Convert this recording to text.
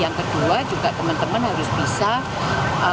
yang kedua juga teman teman harus bisa mengembangkan